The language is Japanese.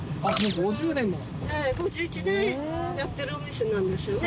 ５１年やってるお店なんですよね。